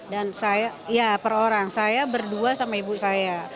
dan saya ya per orang saya berdua sama ibu saya